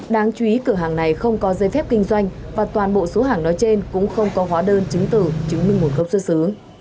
đáng chú ý cửa hàng này không có dây phép kinh doanh và toàn bộ số hàng nói trên cũng không có hóa đơn chứng từ chứng minh nguồn gốc xuất xứ